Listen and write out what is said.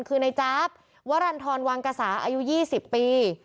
คือในจ๊าบวรรณฑรวังกษาอายุ๒๐ปี